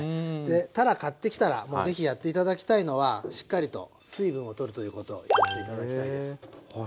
たら買ってきたらもうぜひやって頂きたいのはしっかりと水分を取るということをやって頂きたいです。